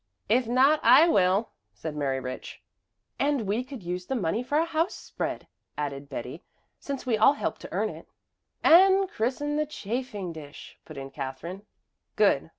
"If not, I will," said Mary Rich. "And we could use the money for a house spread," added Betty, "since we all help to earn it." "And christen the chafing dish," put in Katherine. "Good.